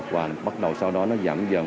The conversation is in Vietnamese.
và bắt đầu sau đó nó giảm dần